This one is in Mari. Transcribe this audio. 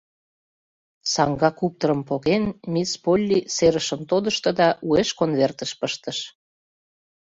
Саҥга куптырым поген, мисс Полли серышым тодышто да уэш конвертыш пыштыш.